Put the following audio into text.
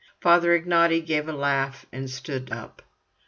Father Ignaty gave a laugh and stood up.